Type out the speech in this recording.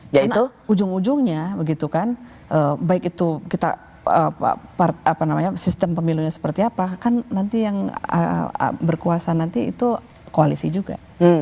karena ujung ujungnya baik itu sistem pemilunya seperti apa kan nanti yang berkuasa nanti itu koalisi juga